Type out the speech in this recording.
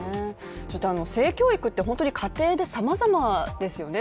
性教育って家庭でさまざまですよね。